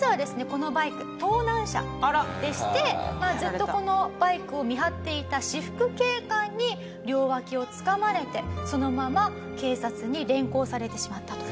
このバイク盗難車でしてずっとこのバイクを見張っていた私服警官に両脇をつかまれてそのまま警察に連行されてしまったと。